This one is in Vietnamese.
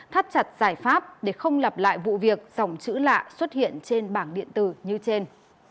thắt chặt giải pháp để không lặp lại vụ việc dòng chữ lạ xuất hiện trên bảng điện tử như trên